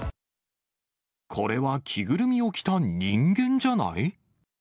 これは着ぐるみを着た人間じゃない？